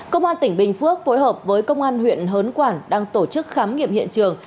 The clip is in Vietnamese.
công an tỉnh bình phước phối hợp với công an huyện hớn quản đang tổ chức khám nghiệm hiện trường